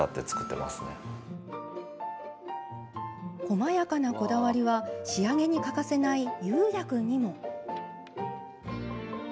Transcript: こまやかな、こだわりは仕上げに欠かせない釉薬にも。